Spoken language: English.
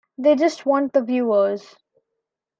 They just want the viewers.